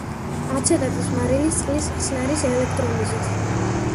აცეტატის მარილის წყლის ხსნარის ელექტროლიზით.